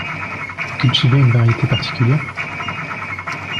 Vous cultivez une variété particulière ?